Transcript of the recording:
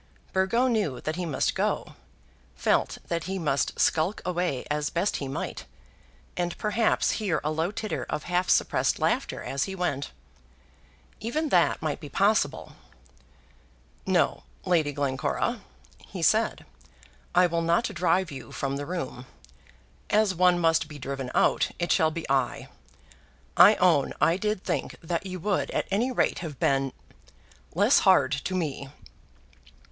Burgo knew that he must go, felt that he must skulk away as best he might, and perhaps hear a low titter of half suppressed laughter as he went. Even that might be possible. "No, Lady Glencora," he said, "I will not drive you from the room. As one must be driven out, it shall be I. I own I did think that you would at any rate have been less hard to me."